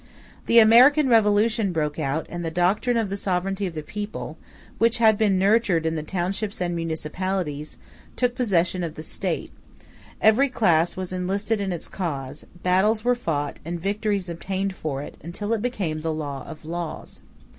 The American revolution broke out, and the doctrine of the sovereignty of the people, which had been nurtured in the townships and municipalities, took possession of the State: every class was enlisted in its cause; battles were fought, and victories obtained for it, until it became the law of laws.